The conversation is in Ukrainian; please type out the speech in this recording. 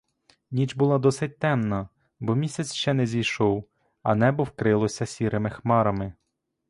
Ніч була досить темна, бо місяць ще не зійшов, а небо вкрилося сірими хмарами.